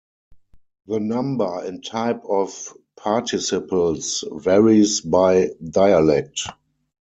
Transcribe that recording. The number and type of participles varies by dialect.